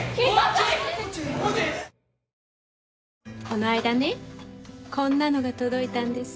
この間ねこんなのが届いたんです。